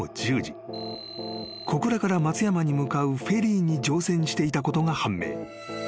［小倉から松山に向かうフェリーに乗船していたことが判明］